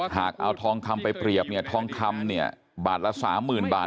หากเอาทองคำไปเปรียบเนี่ยทองคำเนี่ยบาทละ๓๐๐๐บาท